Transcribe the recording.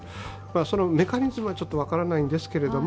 そのメカニズムはちょっと分からないんですけれども